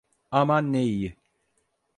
Aman ne iyi.